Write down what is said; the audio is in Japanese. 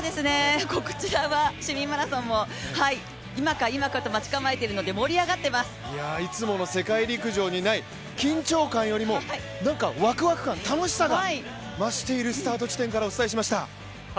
こちらは市民マラソンも今か今かと待ち構えているのでいつもの世界陸上にない緊張感よりも、なんかわくわく感、楽しさが増しているスタート地点からお伝えしました。